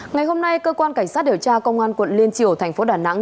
ngày hôm nay cơ quan cảnh sát điều tra công an quận liên triều tp đà nẵng